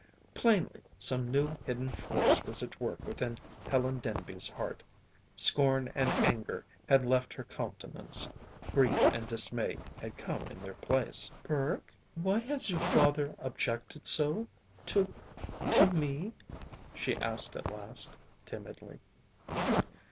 Plainly some new, hidden force was at work within Helen Denby's heart. Scorn and anger had left her countenance. Grief and dismay had come in their place. "Burke, why has your father objected so to to me?" she asked at last, timidly.